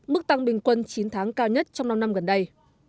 mức tăng bình quân chín tháng cao nhất trong năm năm gần đây